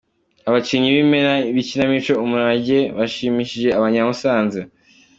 Abakinnyi b'imena b'ikinamico Umurage bashimishije abanya Musanze.